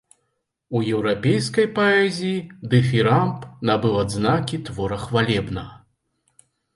У еўрапейскай паэзіі дыфірамб набыў адзнакі твора хвалебнага.